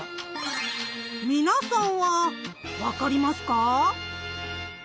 皆さんは分かりますか？